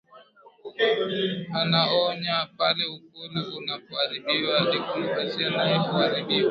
Anaonya pale ukweli unapoharibiwa demokrasia nayo huharibiwa